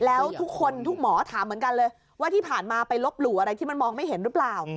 แล้วทุกคนทุกหมอถามเหมือนกันเลยว่าที่ผ่านมาไปลบหลู่อะไรที่มันมองไม่เห็นหรือเปล่า